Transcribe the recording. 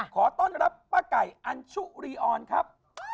ขอต้อนรับป้าไก่อัญชุรีออนครับ